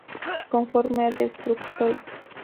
Conforme a Destructoid.